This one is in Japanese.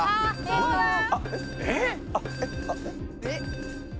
えっ？